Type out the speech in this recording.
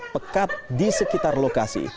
pekat di sekitar lokasi